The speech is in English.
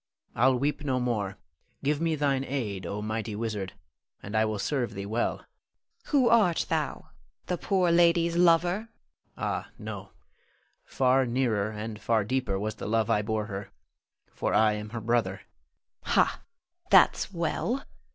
I'll weep no more. Give me thine aid, O mighty wizard, and I will serve thee well. Norna. Who art thou? The poor lady's lover? Louis. Ah, no; far nearer and far deeper was the love I bore her, for I am her brother. Norna. Ha, that's well!